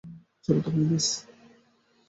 চল তো, মাইনাস।